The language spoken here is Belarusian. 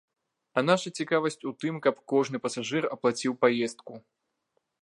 А наша цікавасць у тым, каб кожны пасажыр аплаціў паездку.